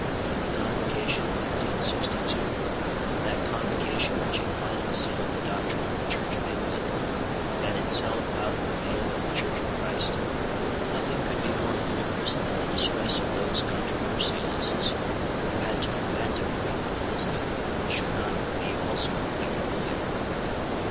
Had the Convocation of 1562, that Convocation which had finally settled the doctrine of the Church of England, been itself out of the pale of the Church of Christ? Nothing could be more ludicrous than the distress of those controversialists who had to invent a plea for Elizabeth which should not be also a plea for William.